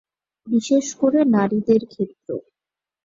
বিশেষ করে নারীদের ক্ষেত্র।